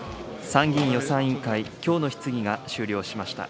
参議院予算委員会、きょうの質疑が終了しました。